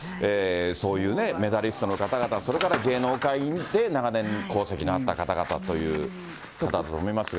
そういうね、メダリストの方々、それから芸能界にいて、長年功績のあった方々もいらっしゃいますが。